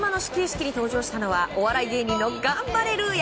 広島の始球式に登場したのはお笑い芸人のガンバレルーヤ。